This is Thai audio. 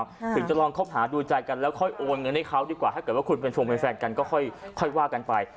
ถึงจะลองคบหาดูใจกันแล้วค่อยโอนเงินให้เขาดีกว่าถ้าเกิดว่าคุณเป็นชงเป็นแฟนกันก็ค่อยค่อยว่ากันไป